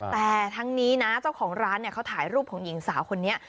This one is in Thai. แต่ทั้งนี้นะเจ้าของร้านเขาถ่ายรูปของหญิงสาวคนนี้